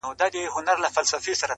په ځنځیر د دروازې به هسي ځان مشغولوینه٫